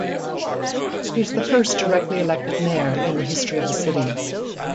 He is the first directly-elected mayor in the history of the City.